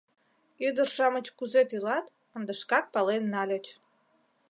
Ӱдыр-шамыч кузе тӱлат, ынде шкак пален нальыч.